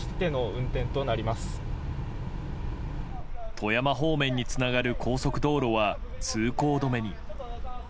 富山方面につながる高速道路は通行止めに。